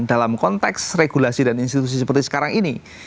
dalam konteks regulasi dan institusi seperti sekarang ini